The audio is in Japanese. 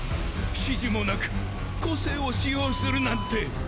指示もなく個性を使用するなんて。